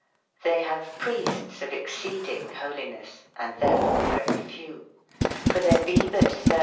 'RSY ^>ave priestes of exceding holines, and therefore very few. for there be butxiij.